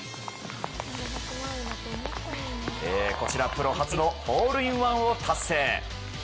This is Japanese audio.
プロ初のホールインワンを達成。